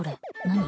何？